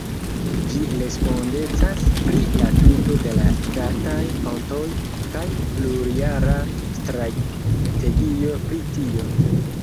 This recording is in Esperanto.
Ĝi respondecas pri la tuto de la ŝtataj kontoj kaj plurjara strategio pri tio.